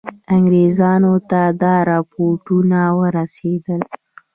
انګرېزانو ته دا رپوټونه ورسېدل.